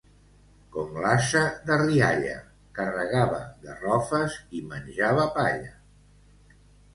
Com l'ase de Rialla, carregava garrofes i menjava palla.